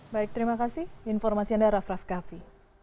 baik terima kasih informasi anda raff raff kaffi